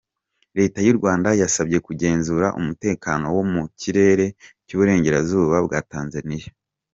Leta y’ u Rwanda yasabye kugenzura umutekano wo mu kirere cy’uburengerazuba bwa Tanzaniya.